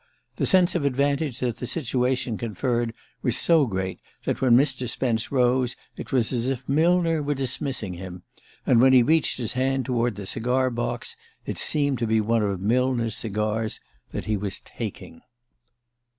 The sense of advantage that the situation conferred was so great that when Mr. Spence rose it was as if Millner were dismissing him, and when he reached his hand toward the cigar box it seemed to be one of Millner's cigars that he was taking.